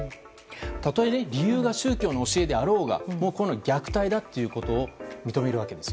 たとえ理由が宗教の教えであろうがこういうのは虐待だということを認めるわけです。